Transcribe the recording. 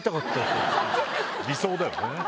理想だよね。